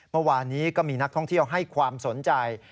เมื่อวานนี้ก็มีนักท่องเที่ยวให้ความสนใจ